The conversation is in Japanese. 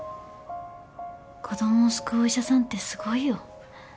子供を救うお医者さんってすごいよ。